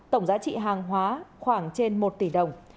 tổng giá trị hàng hóa khoảng trên một tỷ đồng